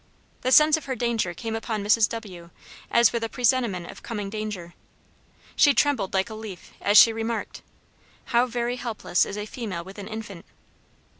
The sense of her danger came upon Mrs. W., as with a presentiment of coming disaster. She trembled like a leaf as she remarked, "How very helpless is a female with an infant."